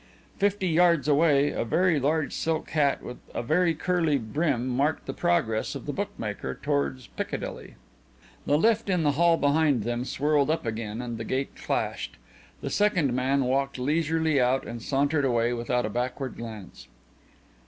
Fifty yards away, a very large silk hat with a very curly brim marked the progress of the bookmaker towards Piccadilly. The lift in the hall behind them swirled up again and the gate clashed. The second man walked leisurely out and sauntered away without a backward glance.